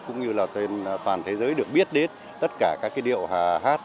cũng như là trên toàn thế giới được biết đến tất cả các cái điệu hát